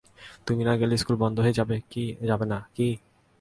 তুমি না গেলে স্কুল বন্ধ হয়ে যাবে না-কি?